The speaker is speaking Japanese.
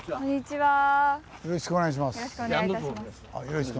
よろしくお願いします。